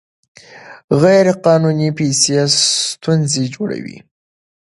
غیر قانوني پیسې ستونزې جوړوي.